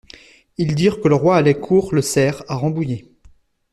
Ils dirent que le Roi allait courre le cerf à Rambouillet.